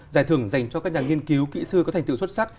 giải thưởng dành cho các nhà nghiên cứu kỹ sư có thành tựu xuất sắc